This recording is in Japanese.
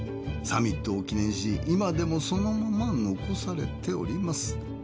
サミットを記念し今でもそのまま残されております。